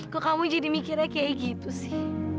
kok kamu jadi mikirnya kayak gitu sih